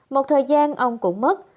một thời gian ông cũng mất